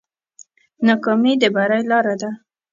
ناکامي د بری لاره ده.